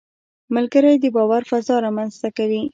ملګری د باور فضا رامنځته کوي